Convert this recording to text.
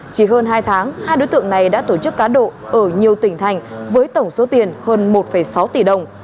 chỉ hơn hai tháng hai đối tượng này đã tổ chức cá độ ở nhiều tỉnh thành với tổng số tiền hơn một sáu tỷ đồng